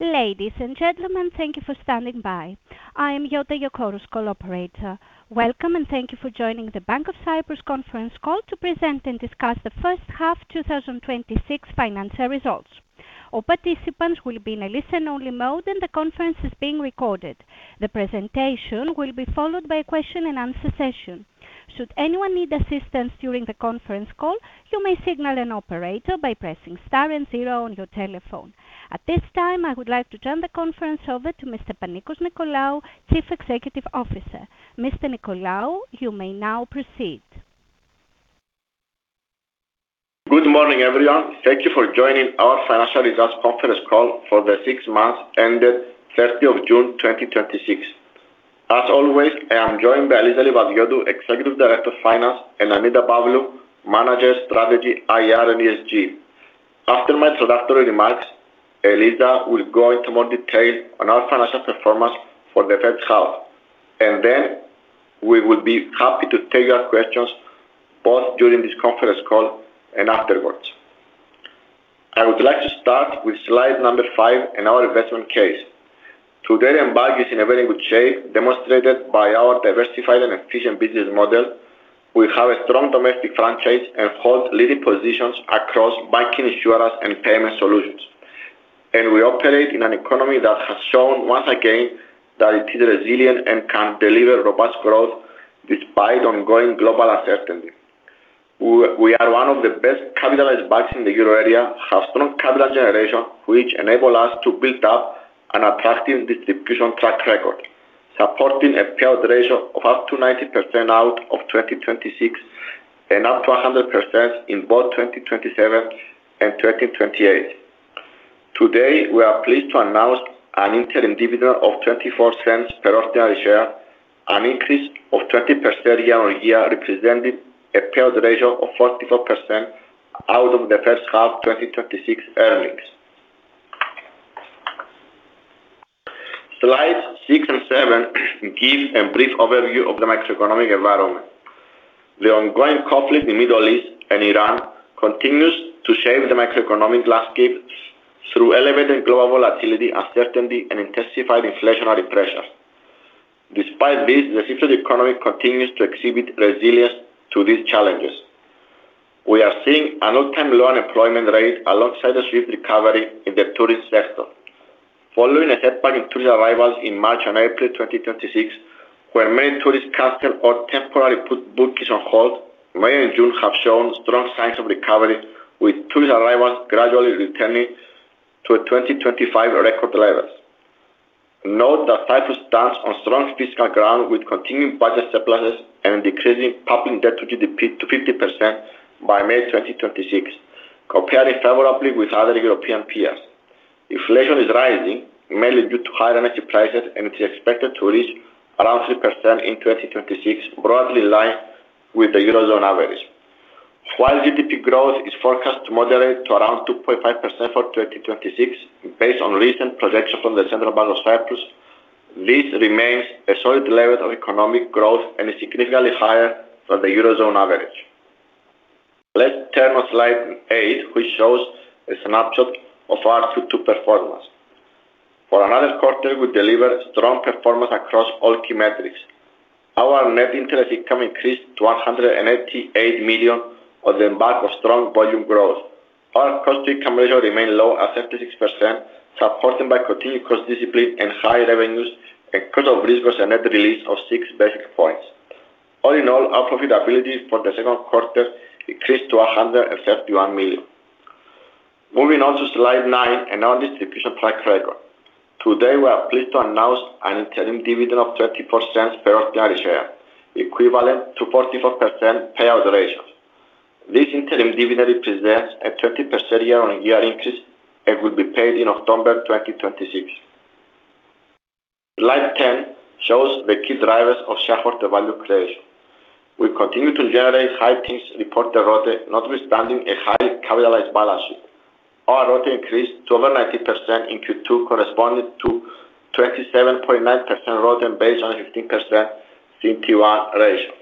Ladies and gentlemen, thank you for standing by. I am Yota Yokoris, call operator. Welcome, and thank you for joining the Bank of Cyprus conference call to present and discuss the first half 2026 financial results. All participants will be in a listen-only mode. The conference is being recorded. The presentation will be followed by a question and answer session. Should anyone need assistance during the conference call, you may signal an operator by pressing star and zero on your telephone. At this time, I would like to turn the conference over to Mr. Panicos Nicolaou, Chief Executive Officer. Mr. Nicolaou, you may now proceed. Good morning, everyone. Thank you for joining our financial results conference call for the six months ended 30th of June 2026. As always, I am joined by Eliza Livadiotou, Executive Director of Finance, and Annita Pavlou, Manager, Strategy, IR, and ESG. After my introductory remarks, Eliza will go into more detail on our financial performance for the first half. Then we will be happy to take your questions both during this conference call and afterwards. I would like to start with slide number five and our investment case. Today, the bank is in a very good shape, demonstrated by our diversified and efficient business model. We have a strong domestic franchise and hold leading positions across banking, insurance, and payment solutions. We operate in an economy that has shown once again that it is resilient and can deliver robust growth despite ongoing global uncertainty. We are one of the best-capitalized banks in the Euro area, have strong capital generation, which enable us to build up an attractive distribution track record, supporting a payout ratio of up to 90% out of 2026 and up to 100% in both 2027 and 2028. Today, we are pleased to announce an interim dividend of 0.24 per ordinary share, an increase of 20% year-on-year, representing a payout ratio of 44% out of the first half 2026 earnings. Slides six and seven give a brief overview of the macroeconomic environment. The ongoing conflict in Middle East and Iran continues to shape the macroeconomic landscape through elevated global volatility, uncertainty, and intensified inflationary pressures. Despite this, the Cypriot economy continues to exhibit resilience to these challenges. We are seeing an all-time low unemployment rate alongside a swift recovery in the tourist sector. Following a setback in tourist arrivals in March and April 2026, where many tourists canceled or temporarily put bookings on hold, May and June have shown strong signs of recovery, with tourist arrivals gradually returning to 2025 record levels. Note that Cyprus stands on strong fiscal ground with continuing budget surpluses and decreasing public debt to GDP to 50% by May 2026, comparing favorably with other European peers. Inflation is rising, mainly due to higher energy prices. It is expected to reach around 3% in 2026, broadly in line with the Eurozone average. While GDP growth is forecast to moderate to around 2.5% for 2026, based on recent projections from the Central Bank of Cyprus, this remains a solid level of economic growth and is significantly higher than the Eurozone average. Let's turn on slide eight, which shows a snapshot of our Q2 performance. For another quarter, we delivered strong performance across all key metrics. Our net interest income increased to 188 million on the back of strong volume growth. Our cost-to-income ratio remained low at [inaudible] supported by continued cost discipline and high revenues and cost of risk was a net release of 6 basis points. All in all, our profitability for the second quarter increased to 131 million. Moving on to slide nine and our distribution track record. Today, we are pleased to announce an interim dividend of 0.24 per ordinary share, equivalent to 44% payout ratio. This interim dividend represents a 20% year-on-year increase and will be paid in October 2026. Slide 10 shows the key drivers of shareholder value creation. We continue to generate high teens return on equity, notwithstanding a highly capitalized balance sheet. Our return on equity increased to over 90% in Q2, corresponding to 27.9% return on equity based on 15% CET1 ratio.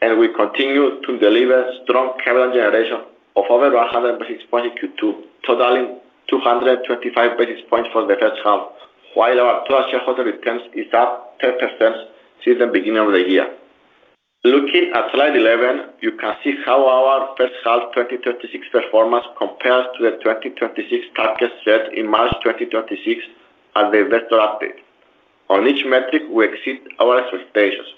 We continue to deliver strong capital generation of over 100 basis points in Q2, totaling 225 basis points for the first half, while our total shareholder returns is up 10% since the beginning of the year. Looking at slide 11, you can see how our first half 2026 performance compares to the 2026 target set in March 2026 at the Investor Day. On each metric, we exceed our expectations.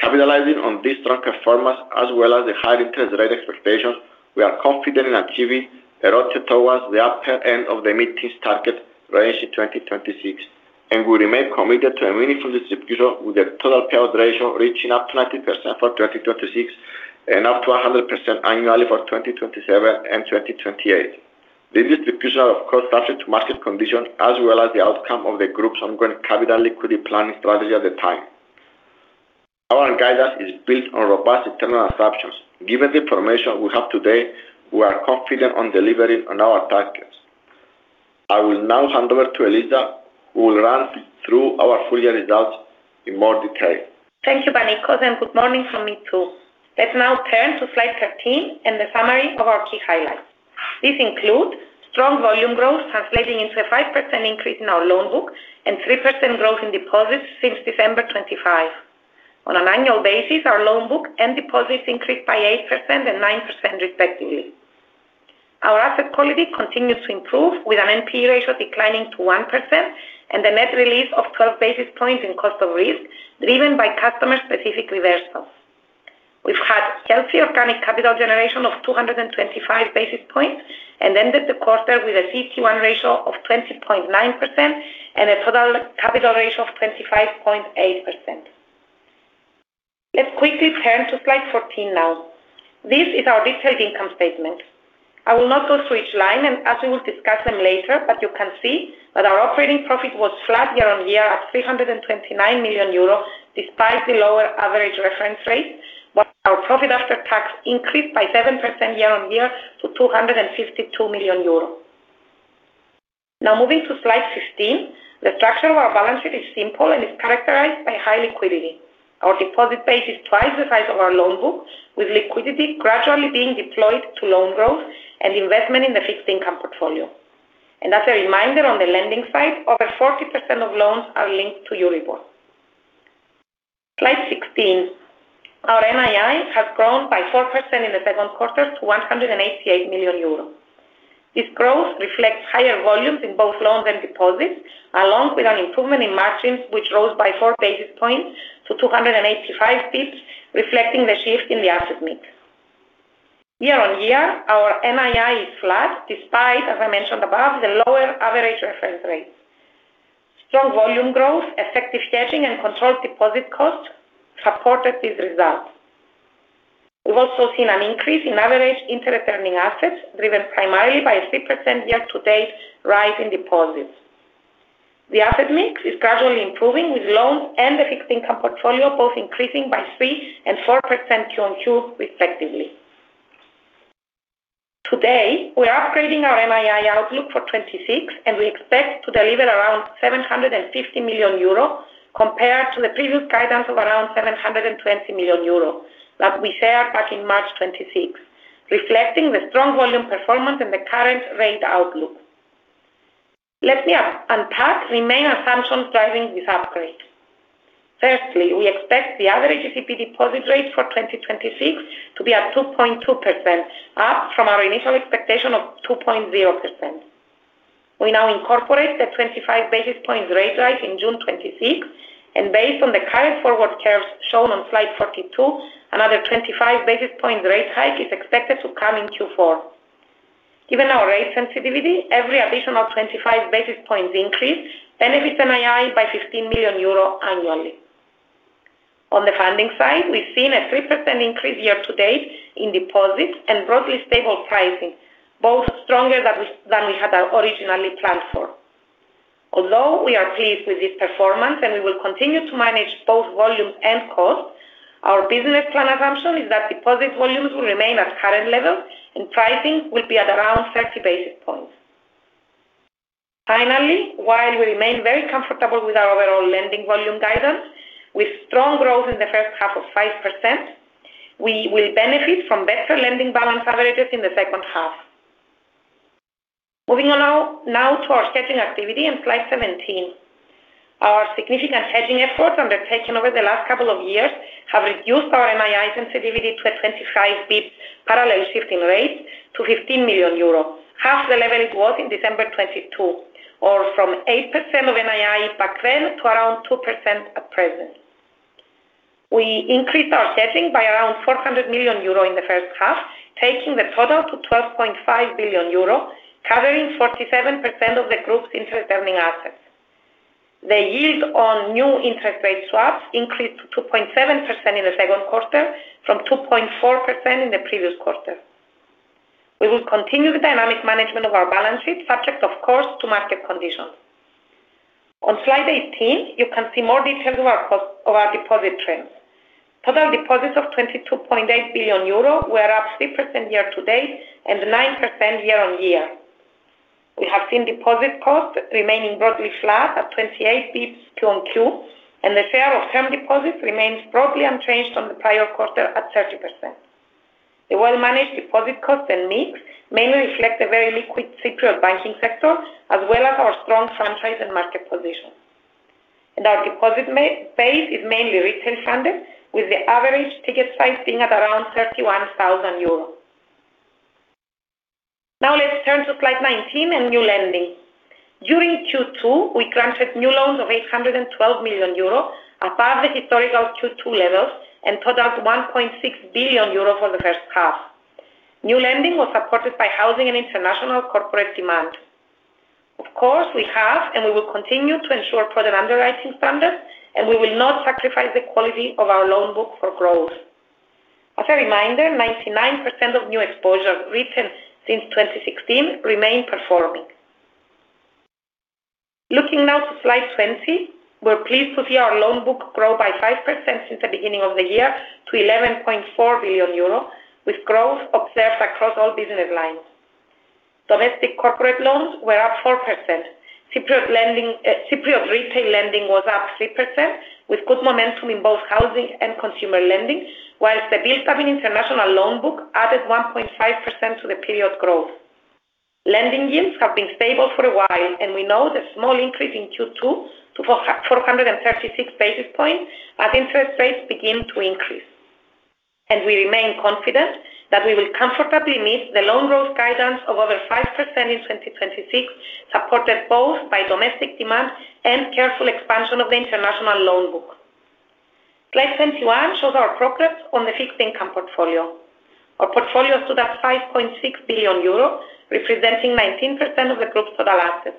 Capitalizing on this strong performance, as well as the high interest rate expectations, we are confident in achieving a return towards the upper end of the mid-teens target range in 2026, and we remain committed to a meaningful distribution, with the total payout ratio reaching up to 90% for 2026 and up to 100% annually for 2027 and 2028. This distribution, of course, subject to market conditions as well as the outcome of the Group's ongoing capital liquidity planning strategy at the time. Our guidance is built on robust internal assumptions. Given the information we have today, we are confident on delivering on our targets. I will now hand over to Eliza, who will run through our full year results in more detail. Thank you, Panicos, and good morning from me, too. Let's now turn to slide 13 and the summary of our key highlights. These include strong volume growth translating into a 5% increase in our loan book and 3% growth in deposits since December 2025. On an annual basis, our loan book and deposits increased by 8% and 9% respectively. Our asset quality continues to improve with an NPE ratio declining to 1% and a net release of 12 basis points in cost of risk, driven by customer-specific reversals. We've had healthy organic capital generation of 225 basis points and ended the quarter with a CET1 ratio of 20.9% and a total capital ratio of 25.8%. Let's quickly turn to slide 14 now. This is our detailed income statement. I will not go through each line, and as we will discuss them later, but you can see that our operating profit was flat year-on-year at 329 million euro, despite the lower average reference rate. Our profit after tax increased by 7% year-on-year to 252 million euros. Moving to slide 15. The structure of our balance sheet is simple and is characterized by high liquidity. Our deposit base is twice the size of our loan book, with liquidity gradually being deployed to loan growth and investment in the fixed income portfolio. As a reminder, on the lending side, over 40% of loans are linked to Euribor. Slide 16. Our NII has grown by 4% in the second quarter to 188 million euros. This growth reflects higher volumes in both loans and deposits, along with an improvement in margins, which rose by four basis points to 285 basis points, reflecting the shift in the asset mix. Year-on-year, our NII is flat, despite, as I mentioned above, the lower average reference rate. Strong volume growth, effective hedging, and controlled deposit costs supported these results. We've also seen an increase in average interest earning assets, driven primarily by a 3% year-to-date rise in deposits. The asset mix is gradually improving, with loans and the fixed income portfolio both increasing by 3% and 4% quarter-on-quarter, respectively. Today, we are upgrading our NII outlook for 2026, and we expect to deliver around 750 million euro compared to the previous guidance of around 720 million euro that we shared back in March 2026, reflecting the strong volume performance and the current rate outlook. Let me unpack the main assumptions driving this upgrade. Firstly, we expect the average ECB deposit rate for 2026 to be at 2.2%, up from our initial expectation of 2.0%. We now incorporate the 25 basis points rate rise in June 2026. Based on the current forward curves shown on slide 42, another 25 basis points rate hike is expected to come in Q4. Given our rate sensitivity, every additional 25 basis points increase benefits NII by 15 million euro annually. On the funding side, we've seen a 3% increase year-to-date in deposits and broadly stable pricing, both stronger than we had originally planned for. Although we are pleased with this performance and we will continue to manage both volume and cost, our business plan assumption is that deposit volumes will remain at current levels and pricing will be at around 30 basis points. Finally, while we remain very comfortable with our overall lending volume guidance, with strong growth in the first half of 5%, we will benefit from better lending balance averages in the second half. Moving along now to our hedging activity on slide 17. Our significant hedging efforts undertaken over the last couple of years have reduced our NII sensitivity to a 25 basis points parallel shift in rates to 15 million euro, half the level it was in December 2022, or from 8% of NII back then to around 2% at present. We increased our hedging by around 400 million euro in the first half, taking the total to 12.5 billion euro, covering 47% of the group's interest earning assets. The yield on new interest rate swaps increased to 2.7% in the second quarter from 2.4% in the previous quarter. We will continue the dynamic management of our balance sheet, subject, of course, to market conditions. On slide 18, you can see more details of our deposit trends. Total deposits of 22.8 billion euro were up 3% year-to-date and 9% year-on-year. We have seen deposit costs remaining broadly flat at 28 basis points quarter-on-quarter, and the share of term deposits remains broadly unchanged from the prior quarter at 30%. The well-managed deposit cost and mix mainly reflect the very liquid Cypriot banking sector, as well as our strong franchise and market position. Our deposit base is mainly retail funded, with the average ticket size being at around 31,000 euros. Let's turn to slide 19 and new lending. During Q2, we granted new loans of 812 million euros above the historical Q2 levels and total 1.6 billion euros for the first half. New lending was supported by housing and international corporate demand. Of course, we have and we will continue to ensure prudent underwriting standards, and we will not sacrifice the quality of our loan book for growth. As a reminder, 99% of new exposure written since 2016 remain performing. Looking now to slide 20, we're pleased to see our loan book grow by 5% since the beginning of the year to 11.4 billion euro, with growth observed across all business lines. Domestic corporate loans were up 4%. Cypriot retail lending was up 3%, with good momentum in both housing and consumer lending, whilst the build-up in international loan book added 1.5% to the period growth. Lending yields have been stable for a while, and we note the small increase in Q2 to 436 basis points as interest rates begin to increase. We remain confident that we will comfortably meet the loan growth guidance of over 5% in 2026, supported both by domestic demand and careful expansion of the international loan book. Slide 21 shows our progress on the fixed income portfolio. Our portfolio stood at 5.6 billion euro, representing 19% of the group's total assets.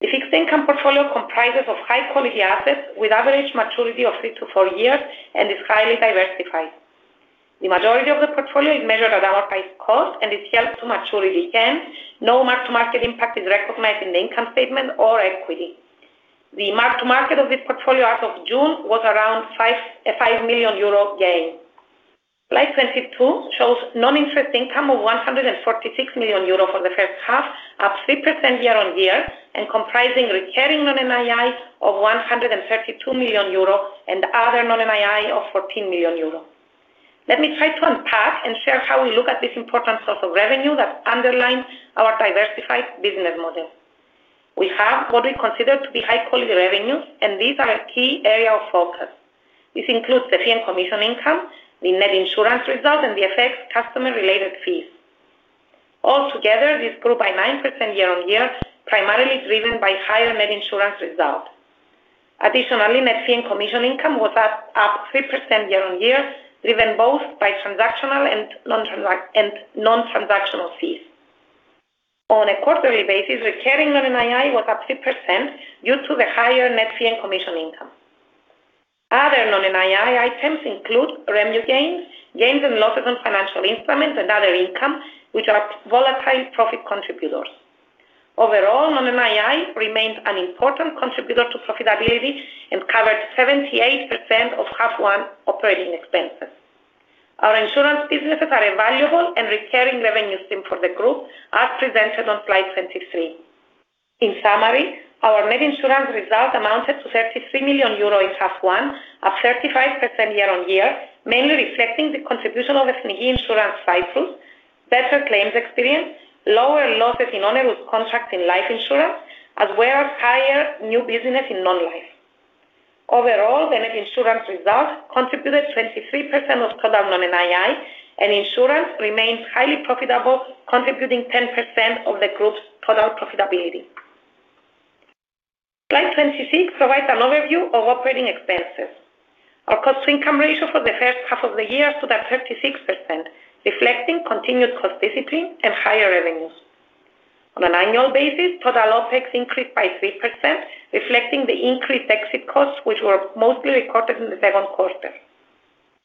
The fixed income portfolio comprises of high-quality assets with average maturity of three to four years and is highly diversified. The majority of the portfolio is measured at amortized cost and is held to maturity. Again, no mark-to-market impact is recognized in the income statement or equity. The mark-to-market of this portfolio as of June was around a 5 million euro gain. Slide 22 shows non-interest income of 146 million euro for the first half, up 3% year-on-year and comprising recurring non-NII of 132 million euro and other non-NII of 14 million euro. Let me try to unpack and share how we look at this important source of revenue that underlines our diversified business model. We have what we consider to be high-quality revenues, and these are a key area of focus. This includes the fee and commission income, the net insurance result, and the effects customer-related fees. Altogether, this grew by 9% year-on-year, primarily driven by higher net insurance results. Additionally, net fee and commission income was up 3% year-on-year, driven both by transactional and non-transactional fees. On a quarterly basis, recurring non-NII was up 3% due to the higher net fee and commission income. Other non-NII items include revenue gains and losses on financial instruments, and other income, which are volatile profit contributors. Overall, non-NII remains an important contributor to profitability and covered 78% of half one operating expenses. Our insurance businesses are a valuable and recurring revenue stream for the group, as presented on slide 23. In summary, our net insurance result amounted to 33 million euro in half one, up 35% year-on-year, mainly reflecting the contribution of the, [inaudible] better claims experience, lower losses onerous contract in life insurance, as well as higher new business in non-life. Overall, the net insurance result contributed 23% of total non-NII, and insurance remains highly profitable, contributing 10% of the group's total profitability. Slide 26 provides an overview of operating expenses. Our cost-to-income ratio for the first half of the year stood at 36%, reflecting continued cost discipline and higher revenues. On an annual basis, total OpEx increased by 3%, reflecting the increased exit costs, which were mostly recorded in the second quarter.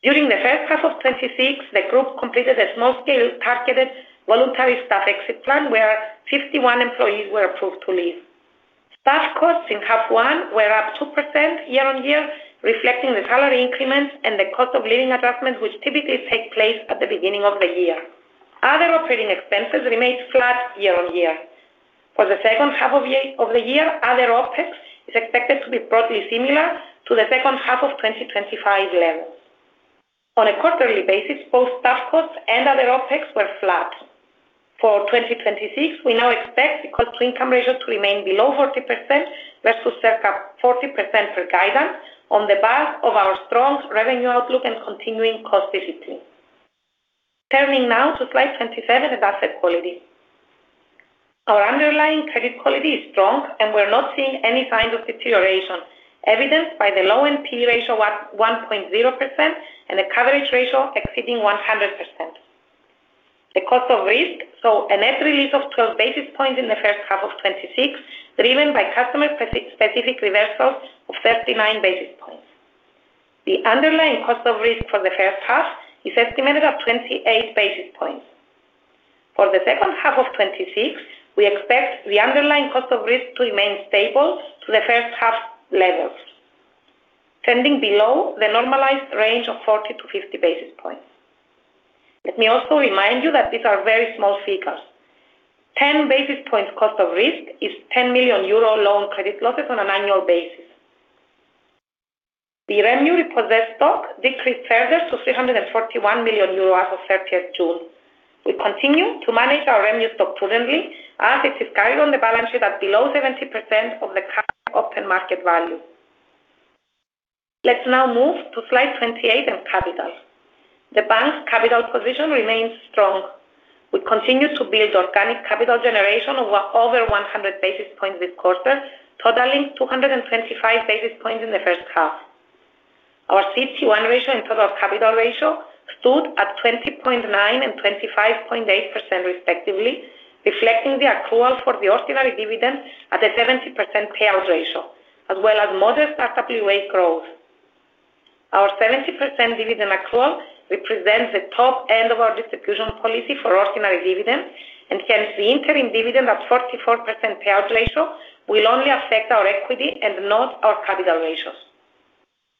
During the first half of 2026, the group completed a small-scale targeted Voluntary Staff Exit Plan, where 51 employees were approved to leave. Staff costs in half one were up 2% year-on-year, reflecting the salary increments and the cost of living adjustment, which typically take place at the beginning of the year. Other operating expenses remained flat year-on-year. For the second half of the year, other OpEx is expected to be broadly similar to the second half of 2025 levels. On a quarterly basis, both staff costs and other OpEx were flat. For 2026, we now expect the cost-to-income ratio to remain below 40%, versus circa 40% for guidance, on the back of our strong revenue outlook and continuing cost discipline. Turning now to slide 27 and asset quality. Our underlying credit quality is strong, and we're not seeing any signs of deterioration, evidenced by the low NPE ratio at 1.0% and the coverage ratio exceeding 100%. The cost of risk saw a net release of 12 basis points in the first half of 2026, driven by customer specific reversals of 39 basis points. The underlying cost of risk for the first half is estimated at 28 basis points. For the second half of 2026, we expect the underlying cost of risk to remain stable to the first half levels, trending below the normalized range of 40-50 basis points. Let me also remind you that these are very small figures. 10 basis points cost of risk is 10 million euro loan credit losses on an annual basis. The revenue repossessed stock decreased further to 341 million euros as of 30th June. We continue to manage our revenue stock prudently as it is carried on the balance sheet at below 70% of the current open market value. Let's now move to slide 28 and capital. The bank's capital position remains strong. We continue to build organic capital generation of over 100 basis points this quarter, totaling 225 basis points in the first half. Our CET1 ratio and total capital ratio stood at 20.9 and 25.8%, respectively, reflecting the accrual for the ordinary dividend at a 70% payout ratio, as well as modest [inaudible] growth. Our 70% dividend accrual represents the top end of our distribution policy for ordinary dividend, and hence the interim dividend of 44% payout ratio will only affect our equity and not our capital ratios.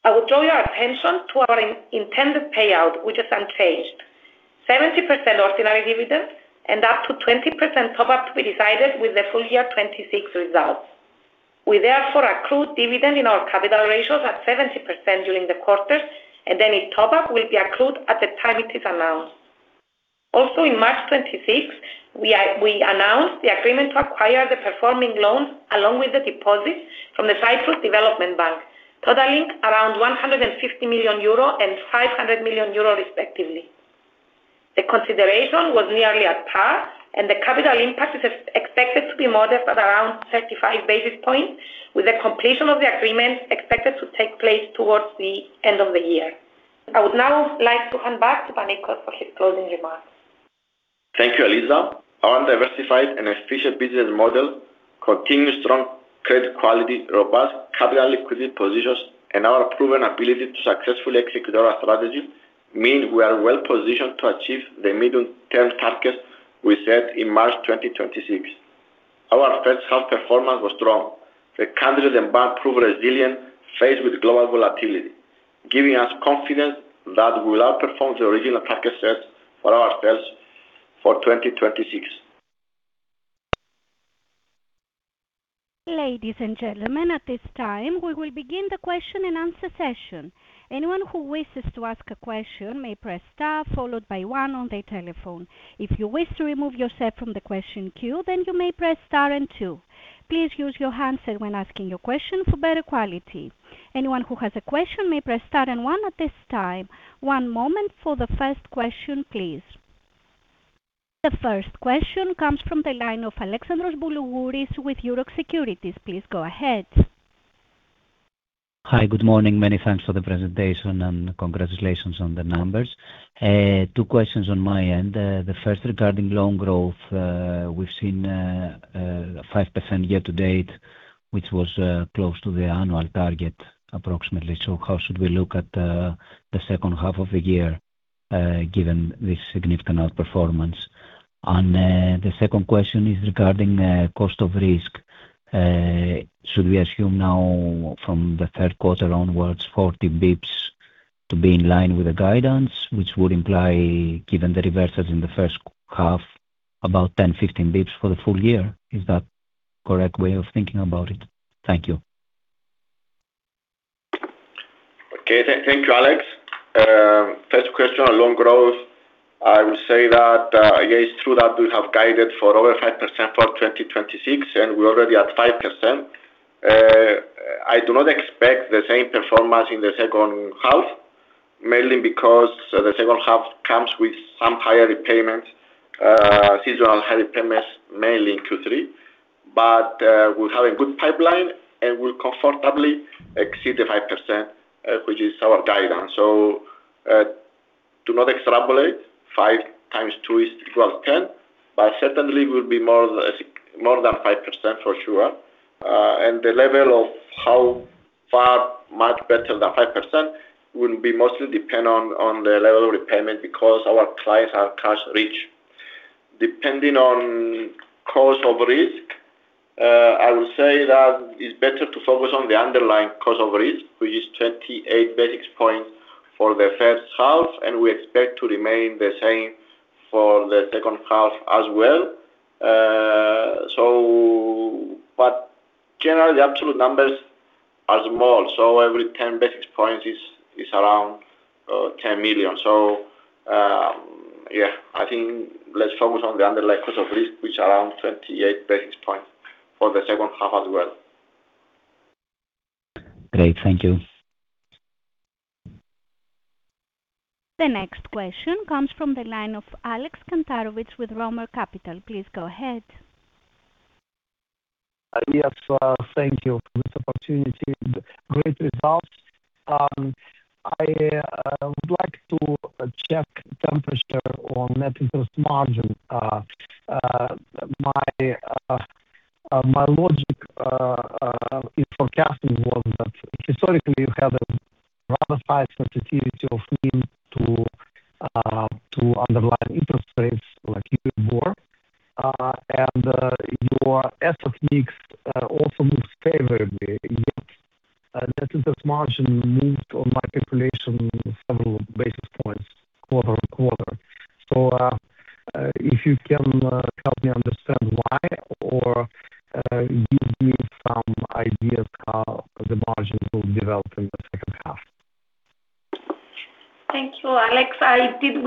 I will draw your attention to our intended payout, which is unchanged. 70% ordinary dividends and up to 20% top-up to be decided with the full year 2026 results. We therefore accrue dividend in our capital ratios at 70% during the quarter, and any top-up will be accrued at the time it is announced. Also, in March 2026, we announced the agreement to acquire the performing loan along with the deposits from the Cyprus Development Bank, totaling around 150 million euro and 500 million euro respectively. The consideration was nearly at par, and the capital impact is expected to be modest at around 35 basis points, with the completion of the agreement expected to take place towards the end of the year. I would now like to hand back to Panicos for his closing remarks. Thank you, Eliza. Our diversified and efficient business model, continued strong credit quality, robust capital liquidity positions, and our proven ability to successfully execute our strategy mean we are well-positioned to achieve the medium-term targets we set in March 2026. Our first half performance was strong. The country and bank proved resilient, faced with global volatility, giving us confidence that we will outperform the original target set for ourselves for 2026. Ladies and gentlemen, at this time, we will begin the question and answer session. Anyone who wishes to ask a question may press star followed by one on their telephone. If you wish to remove yourself from the question queue, then you may press star and two. Please use your handset when asking your question for better quality. Anyone who has a question may press star and one at this time. One moment for the first question, please. The first question comes from the line of Alexandros Boulougouris with Euroxx Securities. Please go ahead. Hi. Good morning. Many thanks for the presentation, and congratulations on the numbers. Two questions on my end. The first regarding loan growth. We've seen 5% year to date, which was close to the annual target approximately. How should we look at the second half of the year, given this significant outperformance? The second question is regarding cost of risk. Should we assume now from the third quarter onwards, 40 basis points to be in line with the guidance, which would imply, given the reverses in the first half, about 10, 15 basis points for the full year? Is that correct way of thinking about it? Thank you. Okay. Thank you, Alex. First question on loan growth. I would say that, yes, true that we have guided for over 5% for 2026, and we're already at 5%. I do not expect the same performance in the second half, mainly because the second half comes with some higher repayments, seasonal higher repayments mainly in Q3. We have a good pipeline, and we comfortably exceed the 5%, which is our guidance. Do not extrapolate five times two is equal to 10, but certainly will be more than 5% for sure. The level of how far much better than 5% will be mostly dependent on the level of repayment because our clients are cash rich. Depending on cost of risk, I would say that it's better to focus on the underlying cost of risk, which is 28 basis points for the first half, and we expect to remain the same for the second half as well. Generally, the absolute numbers are small. Every 10 basis points is around 10 million. Yeah, I think let's focus on the underlying cost of risk, which around 28 basis points for the second half as well. Great. Thank you. The next question comes from the line of Alex Kantarovich with Roemer Capital. Please go ahead. Yes, thank you for this opportunity and great results. I would like to check temperature on net interest margin. My logic, in forecasting was that historically you had a rather high sensitivity of NIM to underlying interest rates like Euribor, and your assets mix also moves favorably, yet net interest margin moved on my calculation several basis points quarter-on-quarter. If you can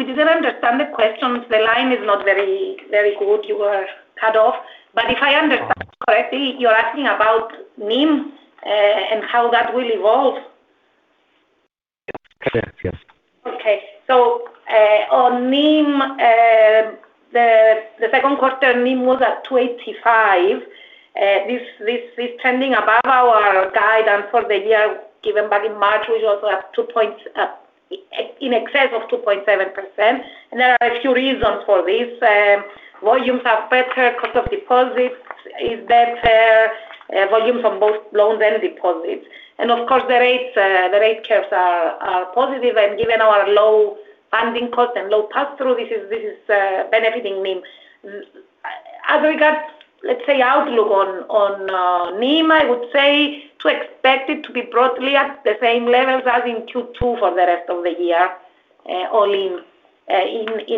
help me understand why or give me some ideas how the margins will develop in the second half. Thank you, Alex. We didn't understand the question. The line is not very good. You were cut off. If I understand correctly, you're asking about NIM, and how that will evolve? Yes. On NIM, the second quarter NIM was at 2.85%. This trending above our guidance for the year given back in March, in excess of 2.7%. There are a few reasons for this. Volumes are better, cost of deposits is better, volumes on both loans and deposits. Of course, the rate curves are positive, and given our low funding cost and low pass-through, this is benefiting NIM. As regards, let's say, outlook on NIM, I would say to expect it to be broadly at the same levels as in Q2 for the rest of the year, all in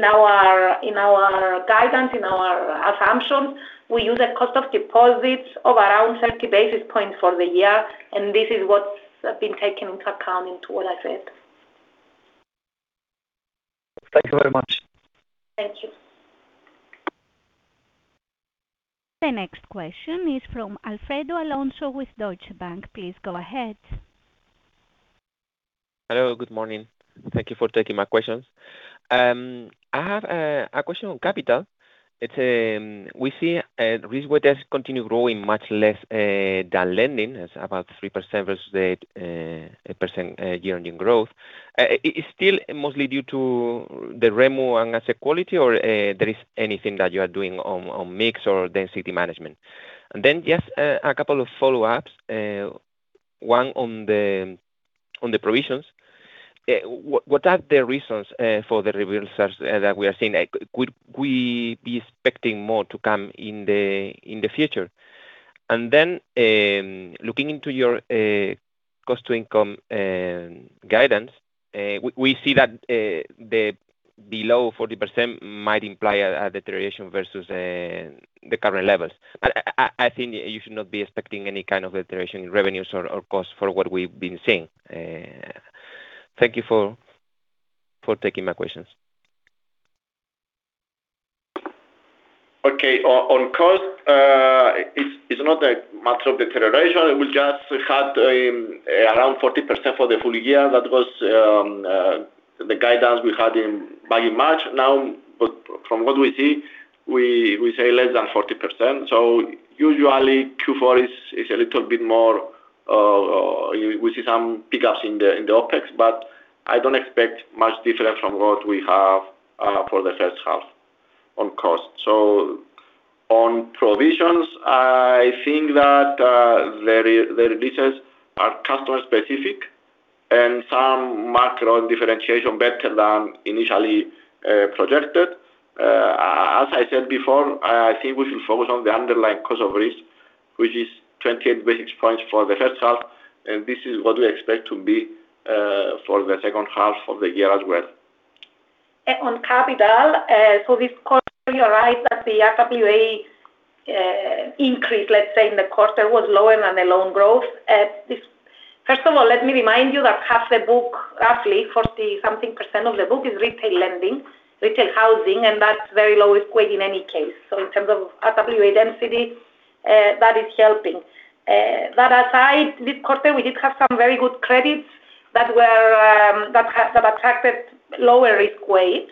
our guidance, in our assumptions. We use a cost of deposits of around 30 basis points for the year, and this is what's been taken into account into what I said. Thank you very much. Thank you. The next question is from Alfredo Alonso with Deutsche Bank. Please go ahead. Hello, good morning. Thank you for taking my questions. I have a question on capital. We see Risk-Weighted Assets continue growing much less than lending. It's about 3% versus the 8% year-on-year growth. Is it still mostly due to the removal on asset quality or there is anything that you are doing on mix or density management? Then just a couple of follow-ups. One on the provisions. What are the reasons for the reversal that we are seeing? Could we be expecting more to come in the future? Then, looking into your cost to income guidance, we see that below 40% might imply a deterioration versus the current levels. I think you should not be expecting any kind of deterioration in revenues or costs for what we've been seeing. Thank you for taking my questions. Okay. On cost, it's not a matter of deterioration. We just had around 40% for the full year. That was the guidance we had back in March. From what we see, we say less than 40%. Usually Q4, we see some pickups in the OpEx, but I don't expect much different from what we have for the first half on cost. On provisions, I think that the releases are customer specific and some macro differentiation better than initially projected. As I said before, I think we should focus on the underlying cost of risk, which is 28 basis points for the first half, and this is what we expect to be for the second half of the year as well. On capital, this calls to your right that the RWA increase, let's say, in the quarter was lower than the loan growth. First of all, let me remind you that half the book, roughly forty-something percent of the book is retail lending, retail housing, and that's very low risk-weight in any case. In terms of RWA density, that is helping. That aside, this quarter, we did have some very good credits that attracted lower risk-weights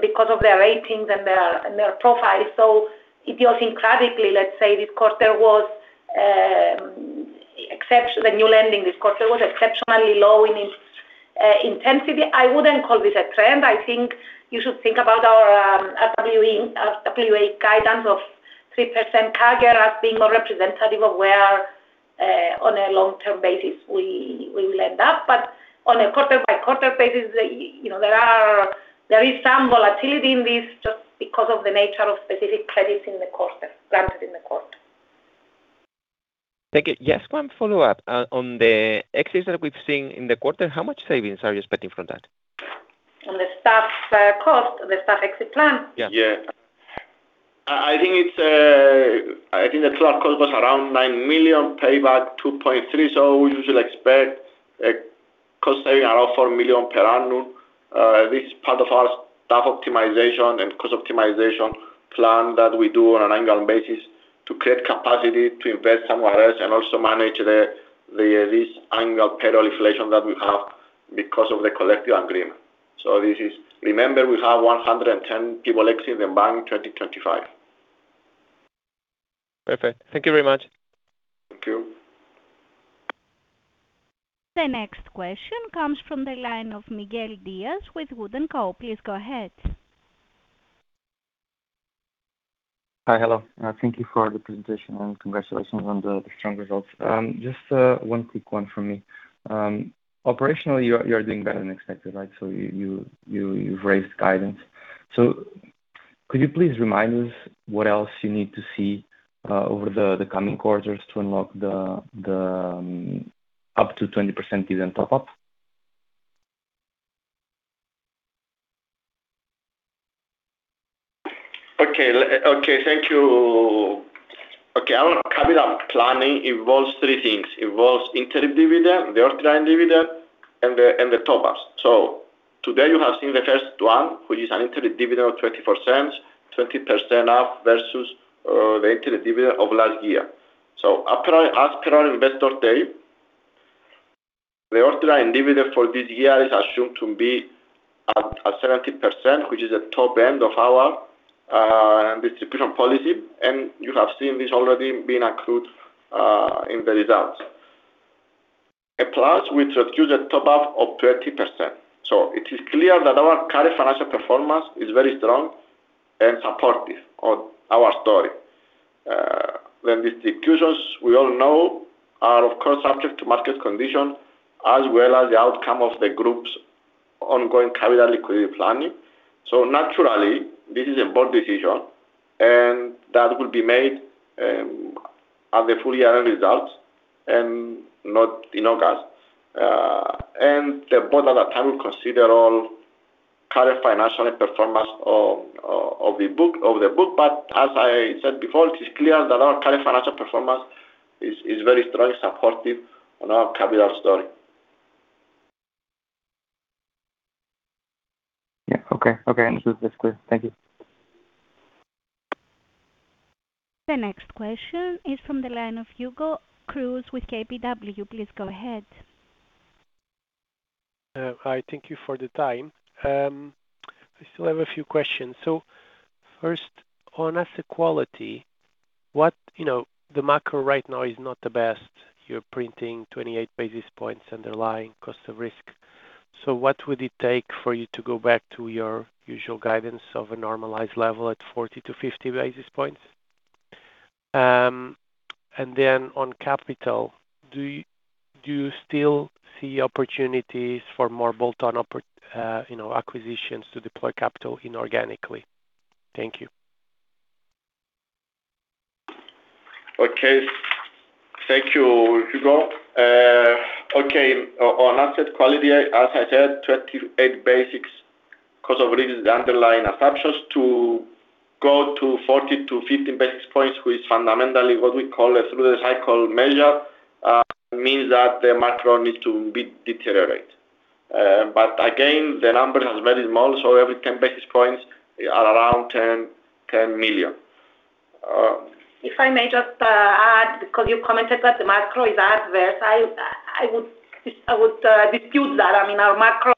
because of their ratings and their profiles. If you think radically, let's say, the new lending this quarter was exceptionally low in intensity. I wouldn't call this a trend. I think you should think about our RWA guidance of 3% CAGR as being more representative of where, on a long-term basis, we will end up, on a quarter-by-quarter basis, there is some volatility in this just because of the nature of specific credits granted in the quarter. Thank you. Just one follow-up. On the exits that we've seen in the quarter, how much savings are you expecting from that? On the staff cost? On the staff exit plan? Yeah. Yeah. I think the total cost was around 9 million, payback 2.3. We usually expect a cost saving around 4 million per annum. This is part of our staff optimization and cost optimization plan that we do on an annual basis to create capacity to invest somewhere else and also manage this annual payroll inflation that we have because of the collective agreement. Remember, we have 110 people exiting the bank, 2025. Perfect. Thank you very much. Thank you. The next question comes from the line of Miguel Dias with Wood & Co. Please go ahead. Hi. Hello. Thank you for the presentation. Congratulations on the strong results. Just one quick one from me. Operationally, you are doing better than expected, right? You've raised guidance. Could you please remind us what else you need to see over the coming quarters to unlock the up to 20% dividend top up? Okay. Thank you. Okay. Our capital planning involves three things. Involves interim dividend, the ordinary dividend, and the top-ups. Today you have seen the first one, which is an interim dividend of 20%, 20% up versus the interim dividend of last year. As per our Investor Day, the ordinary dividend for this year is assumed to be at 70%, which is the top end of our distribution policy, and you have seen this already being accrued in the results. A plus, we introduced a top-up of 20%. It is clear that our current financial performance is very strong and supportive of our story. The distributions, we all know, are, of course, subject to market conditions as well as the outcome of the Group's ongoing capital liquidity planning. Naturally, this is a board decision, and that will be made at the full year end results and not in August. The board at that time will consider all current financial performance of the book, but as I said before, it is clear that our current financial performance is very strongly supportive on our capital story. Yeah. Okay. This is clear. Thank you. The next question is from the line of Hugo Cruz with KBW. Please go ahead. Hi. Thank you for the time. I still have a few questions. First, on asset quality, the macro right now is not the best. You're printing 28 basis points underlying cost of risk. What would it take for you to go back to your usual guidance of a normalized level at 40-50 basis points? On capital, do you still see opportunities for more bolt-on acquisitions to deploy capital inorganically? Thank you. Okay. Thank you, Hugo. Okay. On asset quality, as I said, 28 basis cost of risk is the underlying assumptions to go to 40-50 basis points, which fundamentally what we call a through the cycle measure, means that the macro needs to deteriorate. Again, the number is very small, every 10 basis points are around 10 million. If I may just add, because you commented that the macro is adverse, I would dispute that. Our macro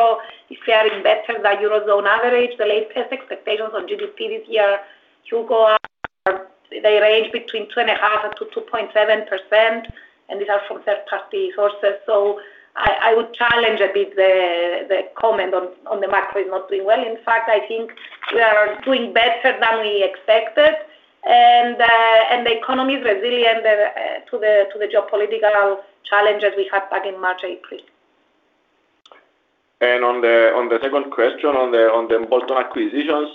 is faring better than Eurozone average. The latest expectations on GDP this year to go up, they range between 2.5%-2.7%, and these are from third-party sources. I would challenge a bit the comment on the macro is not doing well. In fact, I think we are doing better than we expected and the economy is resilient to the geopolitical challenges we had back in March, April. On the second question, on the bolt-on acquisitions,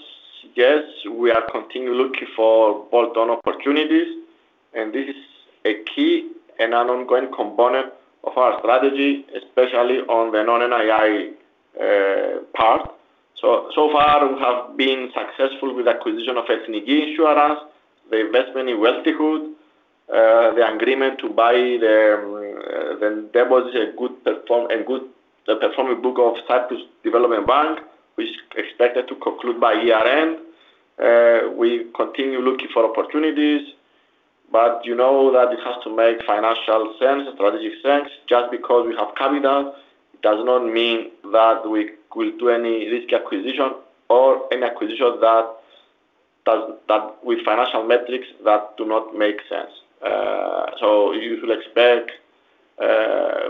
yes, we are continually looking for bolt-on opportunities, and this is a key and an ongoing component of our strategy, especially on the non-NII part. So far, we have been successful with acquisition of Ethniki Insurance, the investment in Wealthyhood, the agreement to buy the, there was a good performing book of The Cyprus Development Bank, which is expected to conclude by year-end. We continue looking for opportunities, you know that it has to make financial sense, strategic sense. Because we have capital does not mean that we will do any risky acquisition or any acquisition with financial metrics that do not make sense. You should expect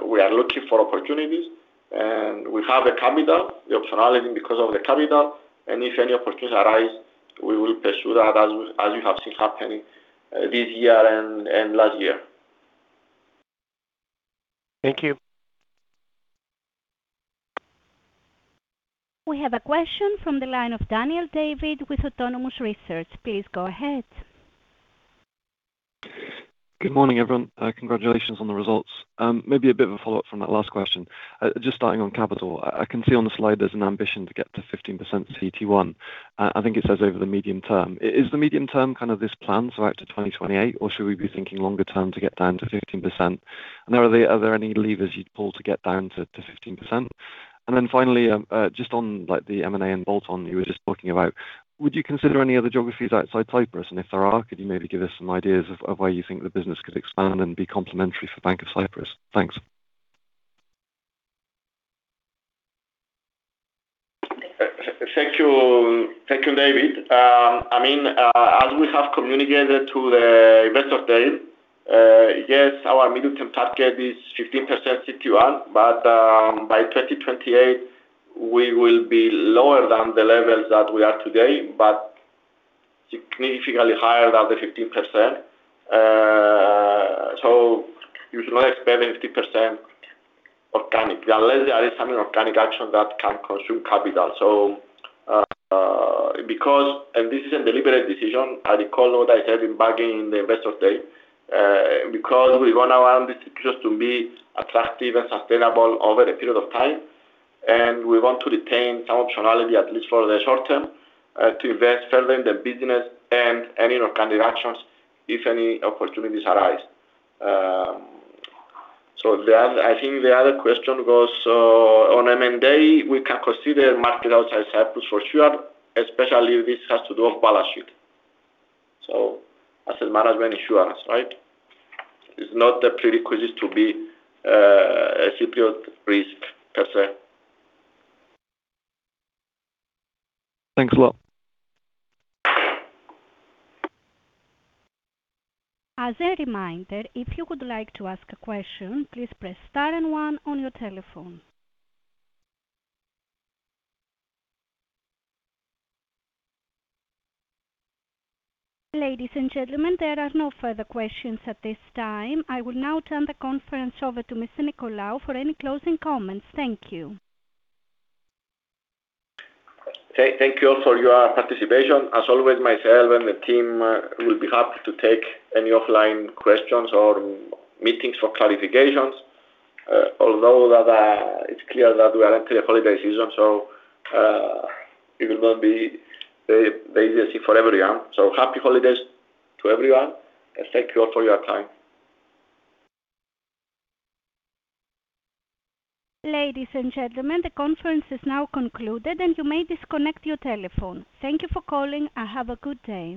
we are looking for opportunities, we have a capital, the optionality because of the capital, if any opportunities arise, we will pursue that as you have seen happening this year and last year. Thank you. We have a question from the line of Daniel David with Autonomous Research. Please go ahead. Good morning, everyone. Congratulations on the results. Maybe a bit of a follow-up from that last question. Just starting on capital, I can see on the slide there's an ambition to get to 15% CET1. I think it says over the medium term. Is the medium term this plan, so out to 2028, or should we be thinking longer term to get down to 15%? Are there any levers you'd pull to get down to 15%? Then finally, just on the M&A and bolt-on you were just talking about, would you consider any other geographies outside Cyprus? If there are, could you maybe give us some ideas of where you think the business could expand and be complementary for Bank of Cyprus? Thanks. Thank you, David. As we have communicated to the Investor Day, yes, our medium-term target is 15% CET1, but by 2028, we will be lower than the levels that we are today, but significantly higher than the 15%. You should not expect a 15% organic, unless there is some organic action that can consume capital. This is a deliberate decision. I recall what I said in back in the Investor Day, because we want our institutions to be attractive and sustainable over a period of time, and we want to retain some optionality, at least for the short term, to invest further in the business and any organic actions if any opportunities arise. I think the other question goes on M&A, we can consider market outside Cyprus for sure, especially if this has to do on balance sheet. Asset management insurance, right? It's not the prerequisite to be a Cyprus risk per se. Thanks a lot. As a reminder, if you would like to ask a question, please press star and one on your telephone. Ladies and gentlemen, there are no further questions at this time. I will now turn the conference over to Mr. Nicolaou for any closing comments. Thank you. Thank you all for your participation. As always, myself and the team will be happy to take any offline questions or meetings for clarifications. It's clear that we are entering a holiday season, so it will not be the easiest thing for everyone. Happy holidays to everyone, and thank you all for your time. Ladies and gentlemen, the conference is now concluded, and you may disconnect your telephone. Thank you for calling, and have a good day.